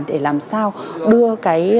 để làm sao đưa cái